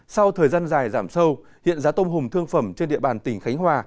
sau thời gian dài giảm sâu hiện giá tôm hùm thương phẩm trên địa bàn tỉnh khánh hòa